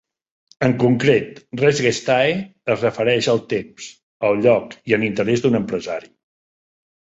En concret, "res gestae" es refereix al temps, al lloc i en interès d'un empresari.